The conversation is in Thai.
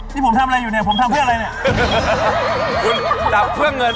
นี่ผมทำอะไรอยู่เนี่ยผมทำเพื่ออะไรเนี่ย